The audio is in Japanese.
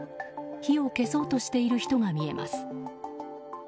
火を消そうとしている人が見えます。